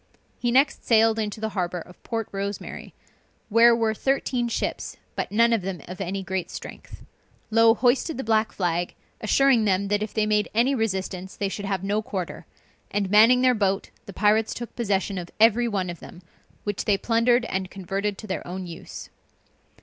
He next sailed into the harbor of Port Rosemary, where were thirteen ships, but none of them of any great strength. Low hoisted the black flag, assuring them that if they made any resistance they should have no quarter; and manning their boat, the pirates took possession of every one of them, which they plundered and converted to their own use.